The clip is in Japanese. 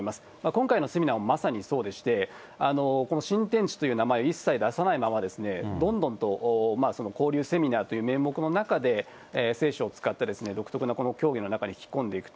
今回のセミナーもまさにそうでして、この新天地という名前を一切出さないまま、どんどんと交流セミナーという名目の中で、聖書を使って、独特な教義の中に引き込んでいく。